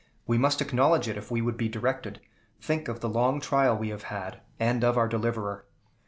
We must acknowledge it if we would be directed. Think of the long trial we have had, and of our deliverer."